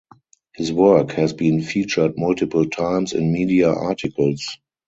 His work has been featured multiple times in media articles.